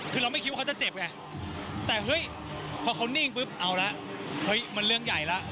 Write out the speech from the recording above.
คือเราไม่คิดว่าเขาจะเจ็บไงแต่เฮ้ยพอเขานิ่งปุ๊บเอาละเฮ้ยมันเรื่องใหญ่แล้ว